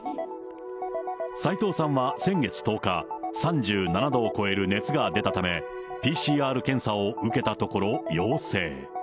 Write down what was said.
斉藤さんは先月１０日、３７度を超える熱が出たため、ＰＣＲ検査を受けたところ陽性。